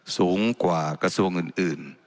สูงกว่ากระทรวงอื่น